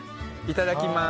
いただきます。